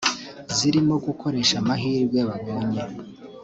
zirimo gukoresha amahirwe babonye